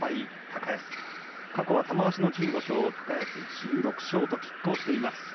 高安過去は玉鷲の１５勝高安１６勝と、きっ抗しています。